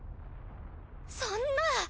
そんな！